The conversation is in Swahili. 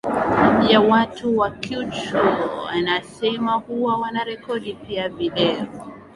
ya watu wa Quechua anasema huwa wanarekodi pia video